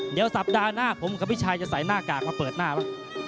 เดี๋ยวสัปดาห์หน้าผมกับพี่ชายจะใส่หน้ากากมาเปิดหน้าบ้าง